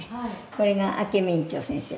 これが明美園長先生。